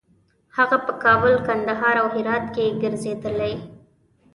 هغه په کابل، کندهار او هرات کې ګرځېدلی.